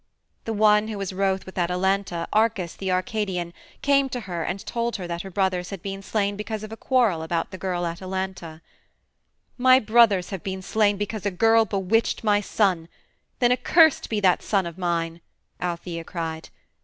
The one who was wroth with Atalanta, Arcas the Arcadian, came to her and told her that her brothers had been slain because of a quarrel about the girl Atalanta. "My brothers have been slain because a girl bewitched my son; then accursed be that son of mine," Althæa cried.